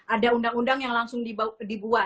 ada undang undang yang langsung dibuat